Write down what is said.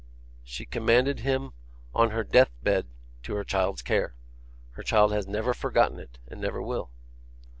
She commended him on her death bed to her child's care. Her child has never forgotten it, and never will.